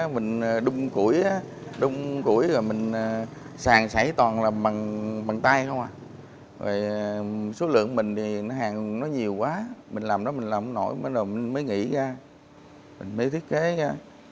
mình đung củi sàn sẩy toàn bằng tay số lượng mình hàng nhiều mình làm đó không nổi mới nghĩ ra mình mới thiết kế ra